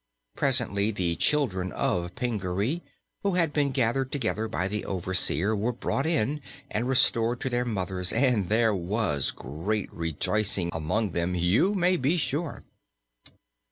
Presently the children of Pingaree, who had been gathered together by the overseer, were brought in and restored to their mothers, and there was great rejoicing among them, you may be sure.